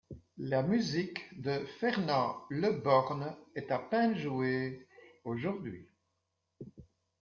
La musique de Fernand Le Borne est à peine jouée aujourd'hui.